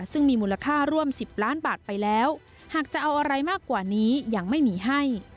ซึ่งมีมูลค่าร่วม๑๐ล้านบาทไปแล้วหากจะเอาอะไรมากกว่านี้ยังไม่มีให้